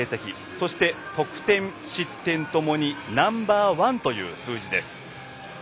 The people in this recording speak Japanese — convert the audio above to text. そして、得点、失点ともにナンバーワンという数字です。